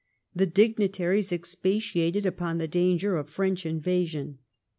The dignitaries expatiated upon the danger of French invasion.